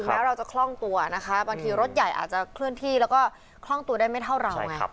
แม้เราจะคล่องตัวนะคะบางทีรถใหญ่อาจจะเคลื่อนที่แล้วก็คล่องตัวได้ไม่เท่าเราไง